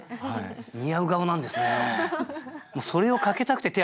似合う顔なんですね。